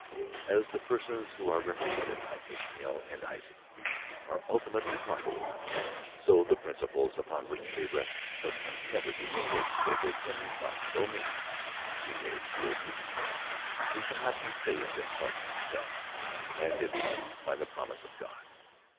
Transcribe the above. As the persons who are represented by Ishmaet^ and Isaac are ultimately parted, so the principl< upon which they rest must never be mingled, for they can by no means be made to agree. We cannot be saved in part by self, and in part by the promise of God.